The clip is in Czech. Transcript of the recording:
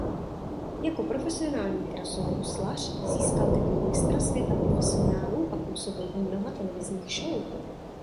Jako profesionální krasobruslař získal titul mistra světa profesionálů a působil v mnoha televizních show.